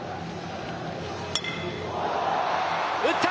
打った！